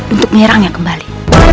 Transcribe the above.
untuk menyerangnya kembali